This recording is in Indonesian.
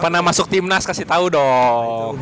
karena masuk timnas kasih tau dong